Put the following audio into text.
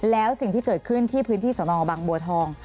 แล้วสิ่งที่เกิดขึ้นที่พื้นที่สนบังบัวทอง